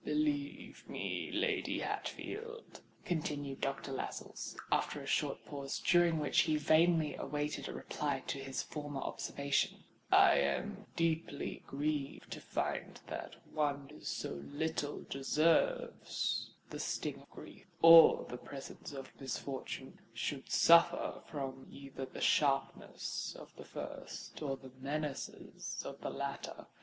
"Believe me, Lady Hatfield," continued Doctor Lascelles, after a short pause, during which he vainly awaited a reply to his former observation, "I am deeply grieved to find that one who so little deserves the sting of grief or the presence of misfortune, should suffer from either the sharpness of the first, or the menaces of the latter.